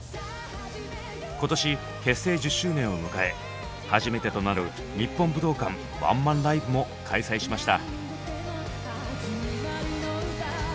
今年結成１０周年を迎え初めてとなる日本武道館ワンマンライブも開催しました。